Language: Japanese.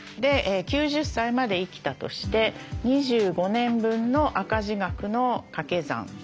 ９０歳まで生きたとして２５年分の赤字額のかけ算。